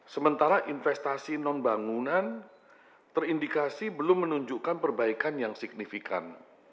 sementara investasi non bangunan terindikasi belum menunjukkan perbaikan yang signifikan